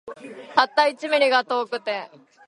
たった一ミリが遠くて